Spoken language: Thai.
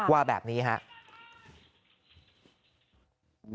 ว่าแบบนี้ครับ